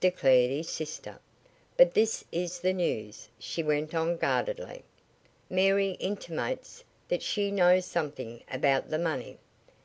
declared his sister. "But this is the news," she went on guardedly. "Mary intimates that she knows something about the money."